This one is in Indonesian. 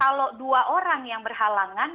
kalau dua orang yang berhalangan